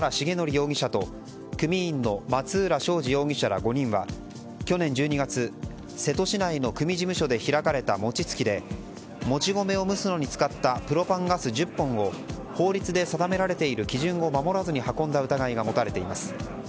容疑者と組員の松浦章司容疑者ら５人は去年１２月瀬戸市内の組事務所で開かれた餅つきでもち米を蒸すのに使ったプロパンガス１０本を法律で定められている基準を守らずに運んだ疑いが持たれています。